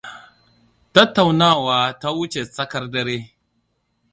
Tattaunawa ta wuce tsakar dare.